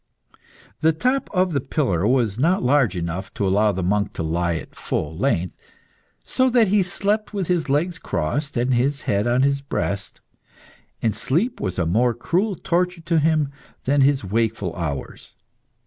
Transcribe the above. The top of the pillar was not large enough to allow the monk to lie at full length, so that he slept with his legs crossed and his head on his breast, and sleep was a more cruel torture to him than his wakeful hours.